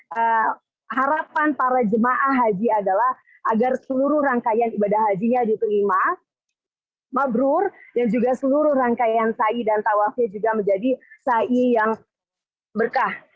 karena harapan para jemaah haji adalah agar seluruh rangkaian ibadah hajinya diterima mablur dan juga seluruh rangkaian sa'i dan tawafnya juga menjadi sa'i yang berkah